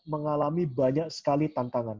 mengalami banyak sekali tantangan